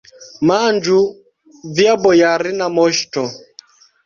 Manĝu, via bojarina moŝto!